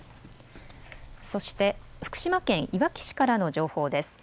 そして福島県いわき市からの情報です。